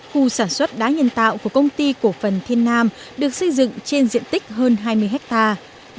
khu sản xuất đá nhân tạo của công ty cổ phần thiên nam được xây dựng trên diện tích hơn hai mươi hectare